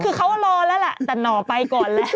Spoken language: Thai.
คือเขารอแล้วแหละแต่หน่อไปก่อนแล้ว